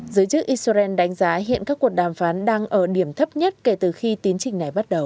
giới chức israel đánh giá hiện các cuộc đàm phán đang ở điểm thấp nhất kể từ khi tiến trình này bắt đầu